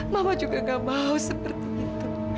mama juga gak mau seperti itu